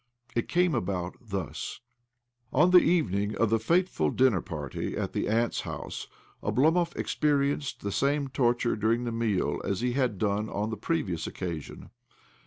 It came about thus. On the evening of the fateful dinner party at the aunt's house Oblomov experienced the same torture during the meal a,s he had done on the previous occasion.